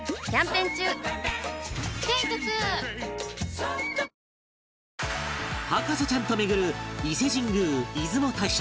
ペイトク博士ちゃんと巡る伊勢神宮出雲大社